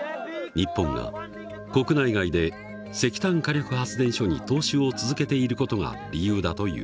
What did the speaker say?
日本が国内外で石炭火力発電所に投資を続けている事が理由だという。